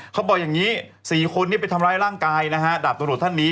เขาบอกอย่างนี้๔คนไปทำร้ายร่างกายดาบตลอดท่านนี้